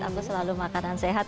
aku selalu makanan sehat